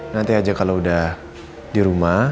nanti aja kalau udah di rumah